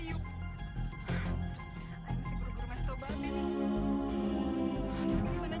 dia merupakan untuk memberikan perubahan